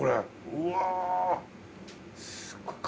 うわ。